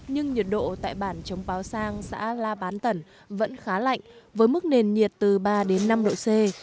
nhưng nhiệt độ tại bản chống báo sang xã la bán tẩn vẫn khá lạnh với mức nền nhiệt từ ba đến năm độ c